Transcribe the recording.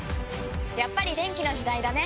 やっぱり電気の時代だね！